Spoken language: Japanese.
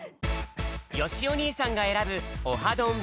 よしお兄さんがえらぶオハどん！